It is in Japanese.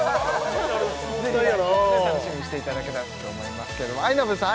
ぜひ楽しみにしていただけたらと思いますけどあいなぷぅさん